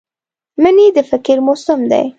مني د فکر موسم دی